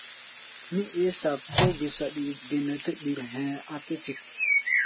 Mí eé sak, kóó gé saɗi ge nɛ ɓír hɛ̧ɛ̧, a̧ tɛ́ tik.